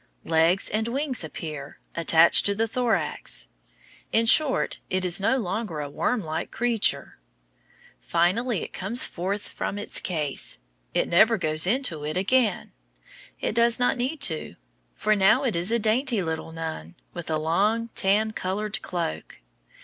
Legs and wings appear, attached to the thorax. In short, it is no longer a wormlike creature. Finally, it comes forth from its case. It never goes into it again. It does not need to, for now it is a dainty little nun, with a long, tan colored cloak.